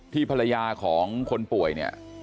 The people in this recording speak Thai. ภรรยาของคนป่วยเนี่ย